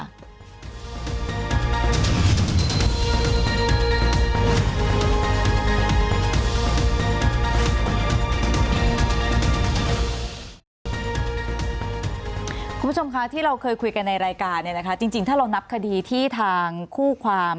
คุณผู้ชมคะที่เราเคยคุยกันในรายการเนี่ยนะคะจริงถ้าเรานับคดีที่ทางคู่ความ